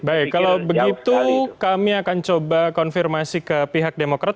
baik kalau begitu kami akan coba konfirmasi ke pihak demokrat